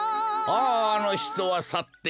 あああのひとはさっていく。